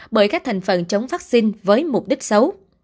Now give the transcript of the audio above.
bởi các thành phần chống vaccine với mục đích xấu